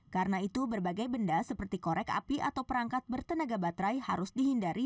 karena itu berbagai benda seperti korek api atau perangkat bertenaga baterai harus dihindari